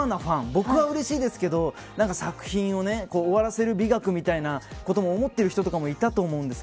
僕はうれしいですけど作品を終わらせる美学みたいなことも思っている人もいたと思うんです。